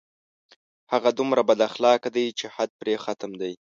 هغه دومره بد اخلاقه دی چې حد پرې ختم دی